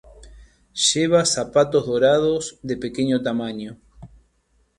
Lleva zapatos dorados de pequeño tamaño.